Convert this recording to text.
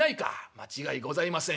「間違いございません。